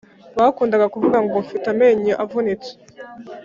Bakundaga kuvuga ngo mfite amenyo avunitse